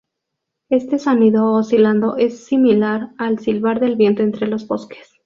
Este sonido oscilado es similar al silbar del viento entre los bosques.